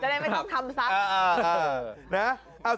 จะได้ไม่ต้องคำซัก